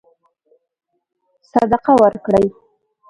صدقه ورکړي.